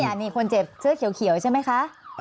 นี่คนเจ็บเสื้อเขียวใช่ไหมคะ